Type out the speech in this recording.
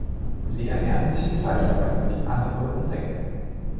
Sie ernähren sich in gleicher Weise wie andere Insekten.